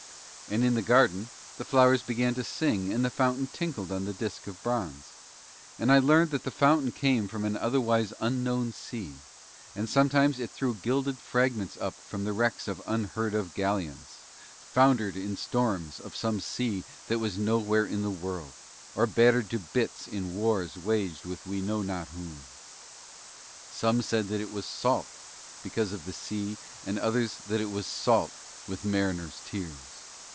And in the garden the flowers began to sing and the fountain tinkled on the disk of bronze. And I learned that the fountain came from an otherwise unknown sea, and sometimes it threw gilded fragments up from the wrecks of unheard of galleons, foundered in storms of some sea that was nowhere in the world; or battered to bits in wars waged with we know not whom. Some said that it was salt because of the sea and others that it was salt with mariners' tears.